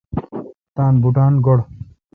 تان بوٹان گوڑ۔